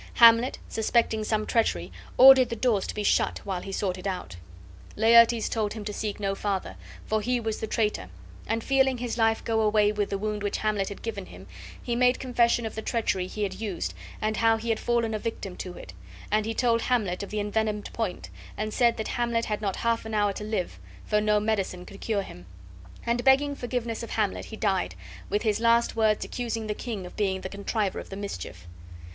Hamlet, suspecting some treachery, ordered the doors to be shut while he sought it out. Laertes told him to seek no farther, for he was the traitor; and feeling his life go away with the wound which Hamlet had given him, he made confession of the treachery he had used and how he had fallen a victim to it: and he told Hamlet of the envenomed point, and said that Hamlet had not half an hour to live, for no medicine could cure him; and begging forgiveness of Hamlet, he died, with his last words accusing the king of being the contriver of the mischief.